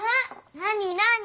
なになに？